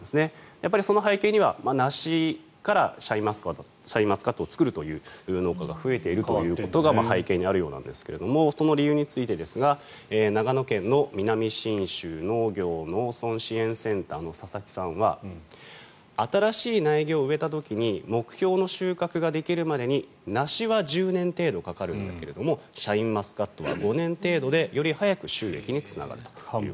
やっぱりその背景には梨からシャインマスカットを作るという農家が増えているということが背景にあるようなんですがその理由についてですが長野県の南信州農業農村支援センターの佐々木さんは新しい苗木を植えた時に目標の収穫ができるまでに梨は１０年程度かかるんだけれどシャインマスカットは５年程度でより早く収益につながると。